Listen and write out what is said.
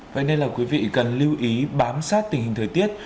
vậy nên là quý vị cần lưu ý bám sát tình hình thời tiết